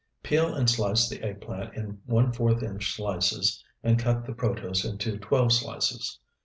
Peel and slice the eggplant in one fourth inch slices, and cut the protose into twelve slices.